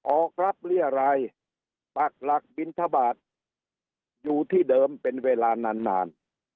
ออกรับเรียรายปักหลักบินทบาทอยู่ที่เดิมเป็นเวลานานนาน